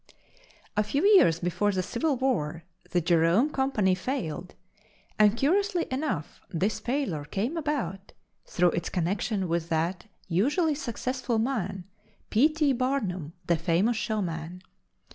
A few years before the Civil War, the Jerome Company failed and, curiously enough, this failure came about through its connection with that usually successful man, P. T. Barnum, the famous showman.